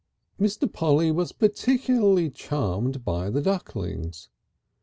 IV Mr. Polly was particularly charmed by the ducklings.